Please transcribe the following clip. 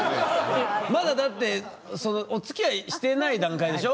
まだだってそのおつきあいしてない段階でしょ？